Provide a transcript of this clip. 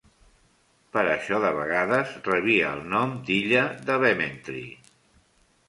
Per això, de vegades rebia el nom d'"illa de Vementry".